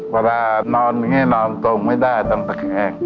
เวลานอนแบบนี้นอนตรงไม่ได้ตั้งแต่แค่